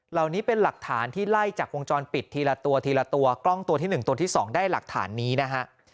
เหล่านี้เป็นหลักฐานที่ไล่จากวงจรปิดทีละตัวทีละตัวกล้องตัวที่๑ตัวที่๒ได้หลักฐานนี้นะฮะ